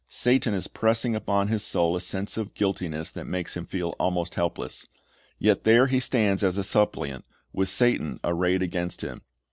Satan is pressing upon his soul a sense :: of guiltiness that makes him feel almost hopeless. Yet there he stands as a suppliant, with Satan arrayed against him.